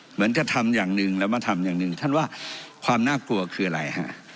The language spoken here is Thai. เหมือนจะทำอย่างหนึ่งแล้วมาทำอย่างหนึ่งท่านว่าความน่ากลัวคืออะไรฮะ